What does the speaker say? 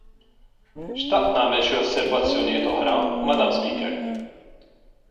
Xtaqt nagħmel xi osservazzjonijiet oħra, Madam Speaker.